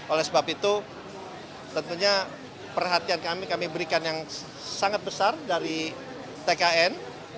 oleh sebab itu tentunya perhatian kami kami berikan yang sangat besar dari tkn